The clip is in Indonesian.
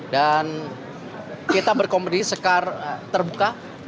dan kita berkomedi terbuka